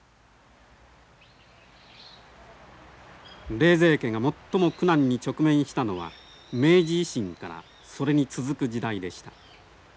冷泉家が最も苦難に直面したのは明治維新からそれに続く時代でした。